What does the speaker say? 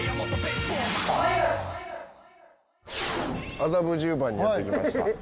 麻布十番にやって来ました。